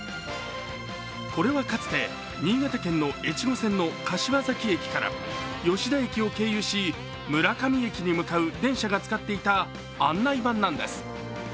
これはかつて、新潟県の越後線の柏崎駅から吉田駅を経由し、村上駅に向かう電車が使っていた案内板なんです。